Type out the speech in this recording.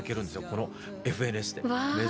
この「ＦＮＳ」で。